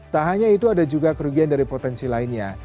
tak hanya itu ada juga kerugian dari potensi lainnya